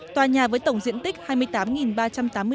tòa nhà với tổng diện tích hai mươi tám ba trăm tám mươi m hai